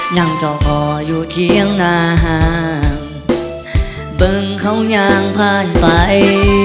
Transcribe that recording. นั่งจอบก่ออยู่เที่ยงนางฝึงเข้ายางพ่านไป